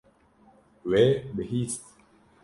Wê bihîst.